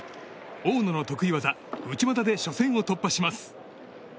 大野の得意技内股で初戦を突破します。